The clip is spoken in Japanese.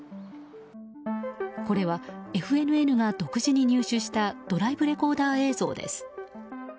これはＦＮＮが独自に入手したドライブレコーダー映像です。